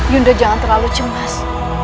yunda jangan terlalu cemas